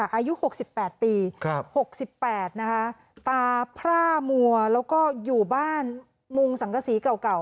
อายุหกสิบแปดปีหกสิบแปดนะคะตาพระมัวแล้วก็อยู่บ้านมุมสังกษีเก่า